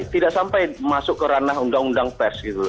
tidak sampai masuk ke ranah undang undang pers